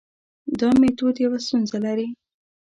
دا میتود یوه ستونزه لري.